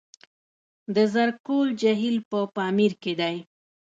د زرکول جهیل په پامیر کې دی